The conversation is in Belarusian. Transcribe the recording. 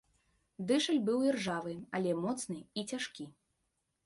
Дышаль быў іржавы, але моцны і цяжкі.